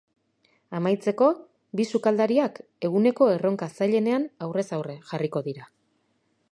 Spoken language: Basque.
Amaitzeko, bi sukaldariak eguneko erronka zailenean aurrez aurre jarriko dira.